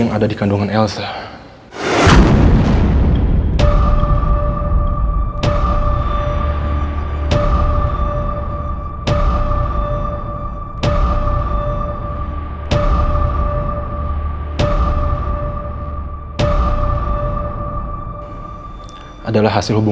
masih agaklah kalau bisa mampu